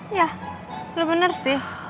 iya lo bener sih